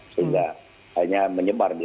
sehingga hanya menyebar